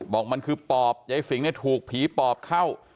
บอกมันคือปอบยายฝิงถูกผีปอบเข้า